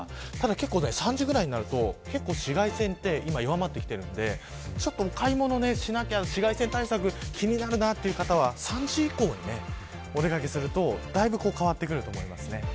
結構３時ぐらいになると紫外線は弱まってきているので紫外線対策気になるなという方は３時以降にお出掛けするとだいぶ変わってくると思います。